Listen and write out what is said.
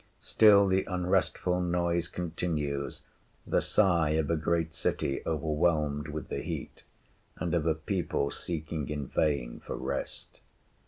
Still the unrestful noise continues, the sigh of a great city overwhelmed with the heat, and of a people seeking in vain for rest.